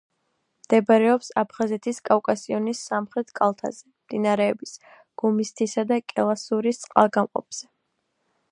მდებარეობს აფხაზეთის კავკასიონის სამხრეთ კალთაზე, მდინარეების გუმისთისა და კელასურის წყალგამყოფზე.